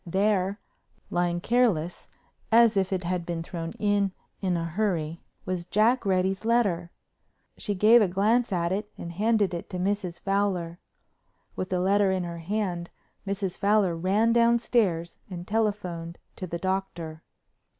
There, lying careless as if it had been thrown in in a hurry, was Jack Reddy's letter. She gave a glance at it and handed it to Mrs. Fowler. With the letter in her hand Mrs. Fowler ran downstairs and telephoned to the Doctor.